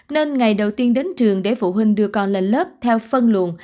nên ngày đầu tiên đến trường để phụ huynh đưa con lên lớp theo phân luận